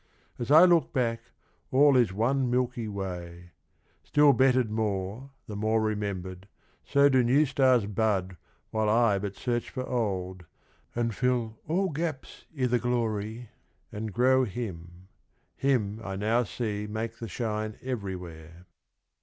As I look back, all is one milky way ; Still bettered more, the more remembered, so Do new stars bud while I but search for old, And fill all gaps i' the glory, and grow him — Him I now see make the shine everywhere."